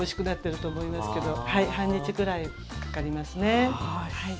半日ぐらいかかりますね。